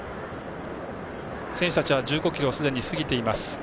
選手たちは１５ｋｍをすでに過ぎています。